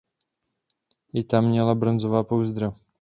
I ta měla bronzová pouzdra.